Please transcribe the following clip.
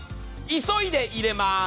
急いで入れます。